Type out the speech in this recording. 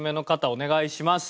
お願いします！